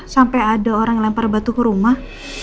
sampai ada orang lempar batu ke rumah